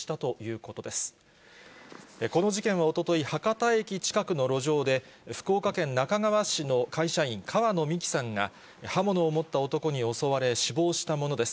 この事件はおととい、博多駅近くの路上で、福岡県なかがわ市の会社員、川野美樹さんが、刃物を持った男に襲われ死亡したものです。